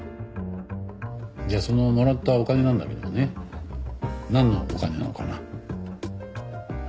じゃあそのもらったお金なんだけどもねなんのお金なのかな？